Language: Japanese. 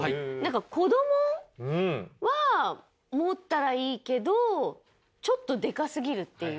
子供は持ったらいいけどちょっとでかすぎるっていう。